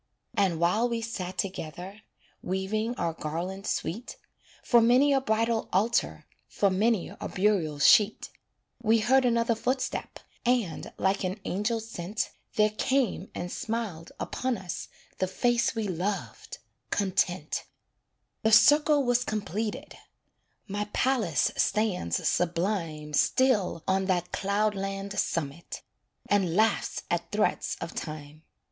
And while we sat together, Weaving our garland sweet, For many a bridal altar, For many a burial sheet, We heard another footstep; And, like an angel sent, There came and smiled upon us The face we loved Content. The circle was completed My palace stands sublime Still on that cloudland summit, And laughs at threats of Time.